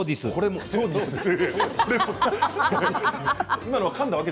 そうです。